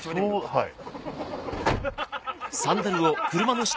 はい。